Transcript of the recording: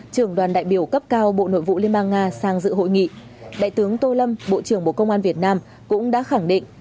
trưởng đoàn đại biểu cấp cao bộ nội vụ liên bang nga sang dự hội nghị đại tướng tô lâm bộ trưởng bộ công an việt nam cũng đã khẳng định